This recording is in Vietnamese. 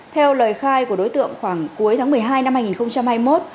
theo lời khai của đối tượng khoảng cuối tháng một mươi hai năm hai nghìn hai mươi một